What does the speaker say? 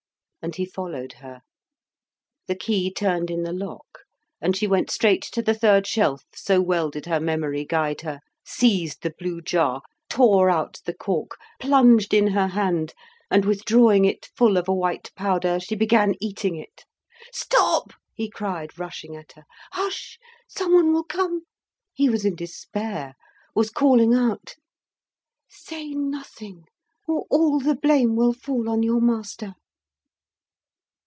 And he followed her. The key turned in the lock, and she went straight to the third shelf, so well did her memory guide her, seized the blue jar, tore out the cork, plunged in her hand, and withdrawing it full of a white powder, she began eating it. "Stop!" he cried, rushing at her. "Hush! someone will come." He was in despair, was calling out. "Say nothing, or all the blame will fall on your master."